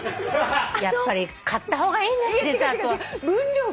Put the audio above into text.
やっぱり買った方がいいね。